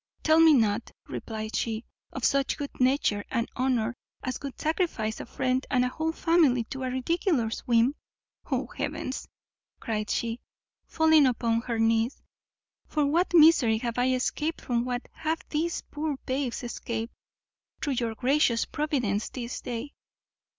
"Tell me not," replied she, "of such good nature and honour as would sacrifice a friend and a whole family to a ridiculous whim. Oh, Heavens!" cried she, falling upon her knees, "from what misery have I escaped, from what have these poor babes escaped, through your gracious providence this day!"